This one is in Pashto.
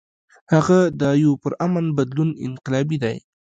هغه د يو پُرامن بدلون انقلابي دے ۔